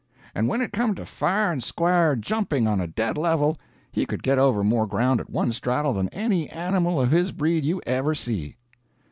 And when it come to fair and square jumping on a dead level, he could get over more ground at one straddle than any animal of his breed you ever see.